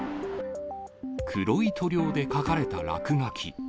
黒い塗料で書かれた落書き。